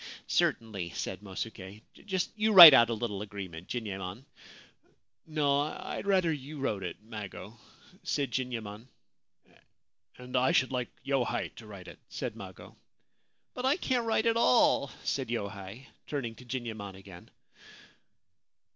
* Certainly,' said Mosuke. c Just you write out a little agreement, Jinyemon.' 4 No : I would rather you wrote it, Mago,' said Jinyemon. ' And I should like Yohei to write it,' said Mago. * But I can't write at all/ said Yohei, turning to Jinyemon again.